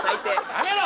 やめろ！